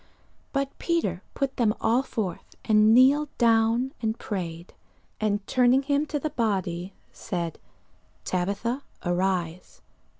But Peter put them all forth, and kneeled down, and prayed; and turning him to the body said, Tabitha, arise.